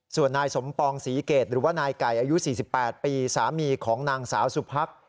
ส่วนนายสมปองศรีเกตหรือว่านายไก่อายุ๔๘ปีสามีของนางสาวสุพัก